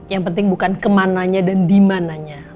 yang penting bukan ke mananya dan di mananya